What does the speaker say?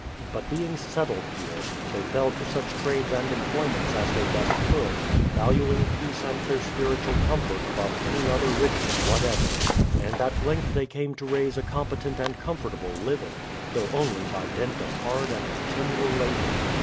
But being set tled here, they fell to such trades and employments as they best could, valuing peace and their spiritual comfort above any other riches whatever; and at length they came to raise a competent and comfortable living, though only by dint of hard and continual labour.